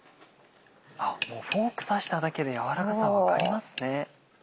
あっもうフォーク刺しただけで軟らかさ分かりますね。